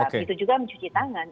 begitu juga mencuci tangan